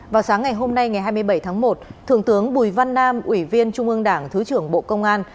vào sáng ngày hôm nay ngày hai mươi bảy tháng một thượng tướng bùi văn nam ủy viên trung ương đảng thứ trưởng bộ công an